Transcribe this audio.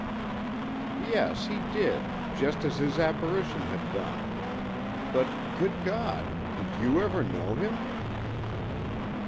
"Yes, he did—just as his apparition had done. But, good God! did you ever know him?"